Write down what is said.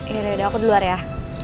yaudah yaudah aku di luar ya